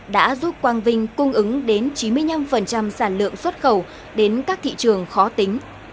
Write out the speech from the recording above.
đã giúp quang vinh cung ứng đến chín mươi năm sản lượng xuất khẩu đến các thị trường khó tính